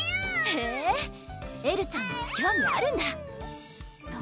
へぇエルちゃんも興味あるんだえる